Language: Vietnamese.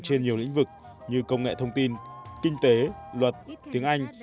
trên nhiều lĩnh vực như công nghệ thông tin kinh tế luật tiếng anh